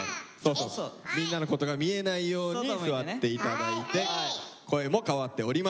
みんなのことが見えないように座って頂いて声も変わっております。